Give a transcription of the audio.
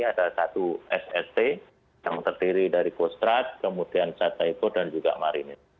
ada satu sst yang terdiri dari kostrat kemudian sataeko dan juga marinir